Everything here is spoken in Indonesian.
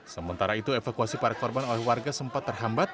sementara itu evakuasi para korban oleh warga sempat terhambat